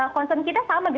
konsum kita sama